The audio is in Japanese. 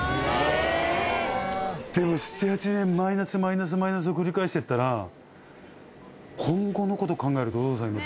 でも７８年マイナスマイナスマイナスを繰り返していったら今後の事考えるとどうされます？